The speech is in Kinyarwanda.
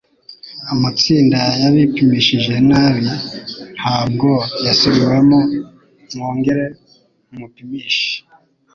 Amatsinda yapimishije nabi ntabwo yasubiwemo mwongere mu pimishe